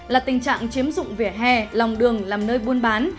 là tình trạng chiếm dụng vỉa hè lòng đường làm nơi buôn bán